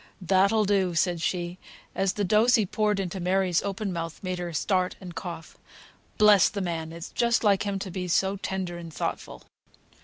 "That'll do!" said she, as the dose he poured into Mary's open mouth made her start and cough. "Bless the man! It's just like him to be so tender and thoughtful!"